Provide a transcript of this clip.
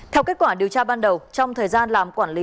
theo kết quả điều tra ban đầu trong thời gian làm quản lý